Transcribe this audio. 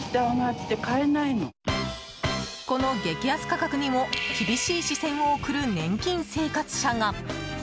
この激安価格にも厳しい視線を送る年金生活者が。